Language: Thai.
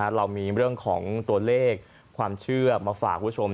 เรามีเรื่องของตัวเลขความเชื่อมาฝากคุณผู้ชม